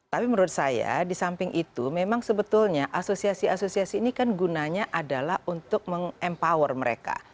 tapi menurut saya di samping itu memang sebetulnya asosiasi asosiasi ini kan gunanya adalah untuk meng empower mereka